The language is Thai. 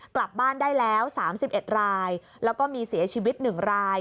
กลับบ้านได้แล้ว๓๑รายแล้วก็มีเสียชีวิต๑ราย